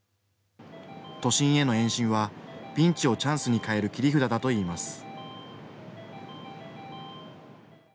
都心への延伸はピンチをチャンスに変える切り札だといいます。